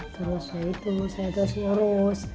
selesai itu saya terus ngurus